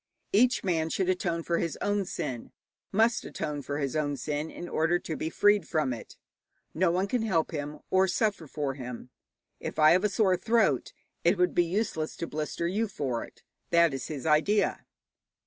Each man should atone for his own sin, must atone for his own sin, in order to be freed from it. No one can help him, or suffer for him. If I have a sore throat, it would be useless to blister you for it: that is his idea.